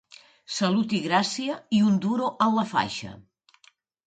Salut i gràcia, i un duro en la faixa.